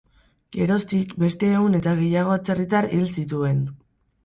Geroztik beste ehun eta gehiago atzerritar hil zituen.